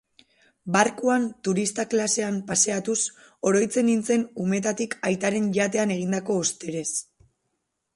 Barkuan, turista klasean paseatuz, oroitzen nintzen umetatik aitaren yatean egindako osterez.